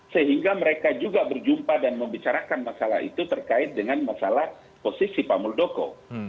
sehingga mereka juga berjumpa dan membicarakan masalah itu terkait dengan masalah posisi pak muldoko